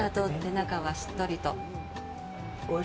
中はしっとりと。